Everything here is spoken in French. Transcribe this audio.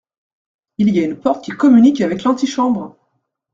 Il y a une porte qui communique avec l’antichambre !